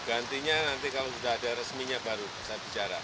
gantinya nanti kalau sudah ada resminya baru saya bicara